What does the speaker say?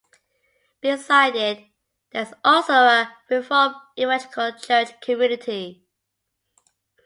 Beside it, there is also a reformed evangelical Church community.